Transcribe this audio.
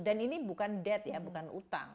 dan ini bukan debt ya bukan utang